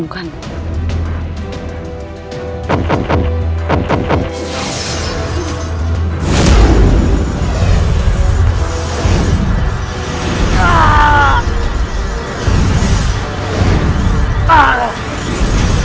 mungkin disakiti mu sendiri